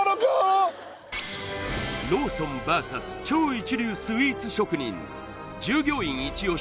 ローソンＶＳ超一流スイーツ職人従業員イチ押し